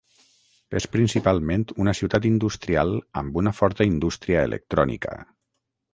És principalment una ciutat industrial amb una forta indústria electrònica.